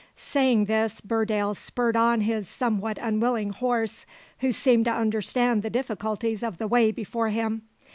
Saying this, Burdale spurred on his somewhat unwilling horse, who seemed to understand the difficulties of the way before him.